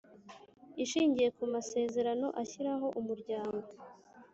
ishingiye ku masezerano ashyiraho umuryango